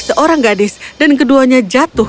seorang gadis dan keduanya jatuh